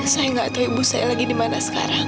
saya gak tahu ibu saya lagi dimana sekarang